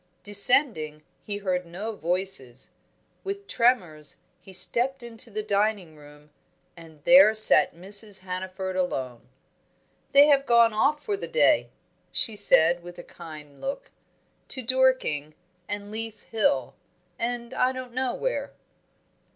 Descending, he heard no voices. With tremors he stepped into the dining room, and there sat Mrs. Hannaford alone. "They have gone off for the day," she said, with a kind look. "To Dorking, and Leith Hill, and I don't know where."